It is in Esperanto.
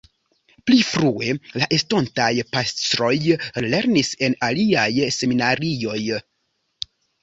Pli frue la estontaj pastroj lernis en aliaj seminarioj.